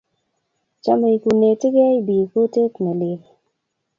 Chomei kuunetigei biik kotet ne lel